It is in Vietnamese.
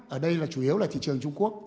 ở đây là chủ yếu là thị trường trung quốc